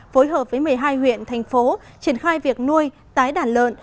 phối hợp với một mươi hai huyện thành phố triển khai việc nuôi tái đàn lợn